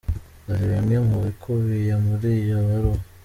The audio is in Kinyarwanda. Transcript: Dore bimwe mu bikubiye muri iyo baruwa.